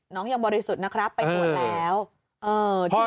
น้องยังบริสุทธิ์เป็นปรวจละครับ